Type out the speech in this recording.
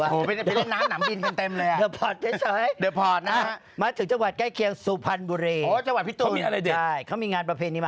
ก็มีการแสดงแสงศรีเสียงชุดสีธรรมนาศกราชนะฮะ